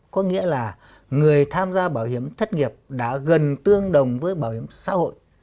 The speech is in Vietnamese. có nghĩa là người tham gia bảo hiểm thất nghiệp đã gần tương đồng với bảo hiểm xã hội